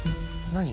何？